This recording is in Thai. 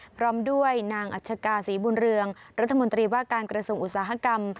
พร้อมด้วยนางอัชกาศรีบุญเรืองรัฐมนตรีว่าการกระทรวงอุตสาหกรรม